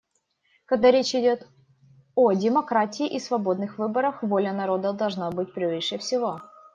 Когда речь идет о демократии и свободных выборах, воля народа должна быть превыше всего.